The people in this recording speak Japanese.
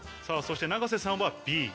さぁそして永瀬さんはＢ。